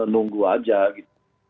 nunggu aja gitu